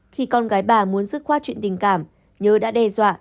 khi con gái bà muốn dứt khoát chuyện tình cảm nhớ đã đe dọa